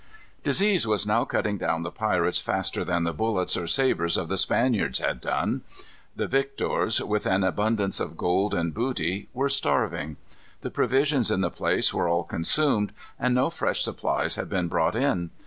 Disease was now cutting down the pirates faster than the bullets or sabres of the Spaniards had done. The victors, with an abundance of gold and booty, were starving. The provisions in the place were all consumed, and no fresh supplies had been brought in.